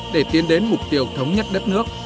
để tiến đến mục tiêu thống nhất đất nước